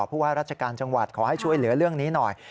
ผู้ว่าราชการจังหวัดขอให้ช่วยเหลือเรื่องนี้หน่อย